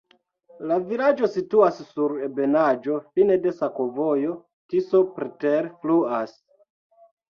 La vilaĝo situas sur ebenaĵo, fine de sakovojo, Tiso preterfluas.